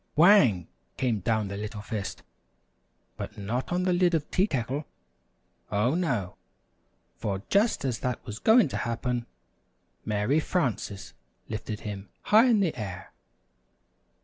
Wang! came down the little fist, but not on the lid of Tea Kettle. Oh, no; for just as that was going to happen, Mary Frances lifted him high in the air.